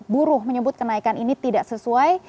buruh menyebut kenaikan ini tidak sesuai